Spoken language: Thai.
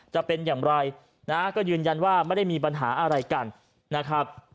จะเป็นอย่างไรนะฮะก็ยืนยันว่าไม่ได้มีปัญหาอะไรกันนะครับ